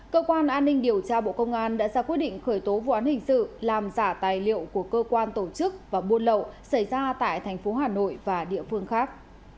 cơ quan an ninh điều tra bộ công an đã ra quyết định khởi tố vụ án hình sự làm giả tài liệu của cơ quan tổ chức và buôn lậu xảy ra tại thành phố hà nội và địa phương khác